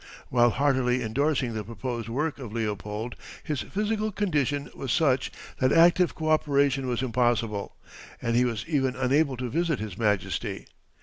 While heartily indorsing the proposed work of Leopold his physical condition was such that active co operation was impossible, and he was even unable to visit his Majesty.